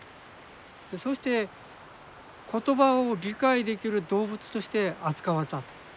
そうして言葉を理解できる動物として扱われたと。